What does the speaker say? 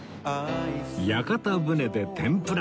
屋形船で天ぷら